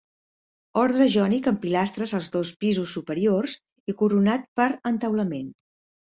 Ordre jònic amb pilastres als dos pisos superiors i coronat per entaulament.